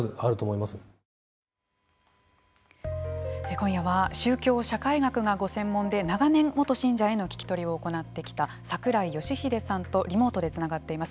今夜は宗教社会学がご専門で長年、元信者への聞き取りを行ってきた櫻井義秀さんとリモートでつながっています。